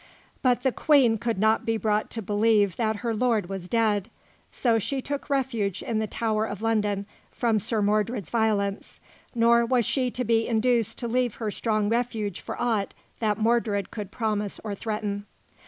But the Queen could not be brought to believe that her lord was dead, so she took refuge in the Tower of London from Sir Mordred's violence, nor was she to be induced to leave her strong refuge for aught that Mordred could promise or threaten.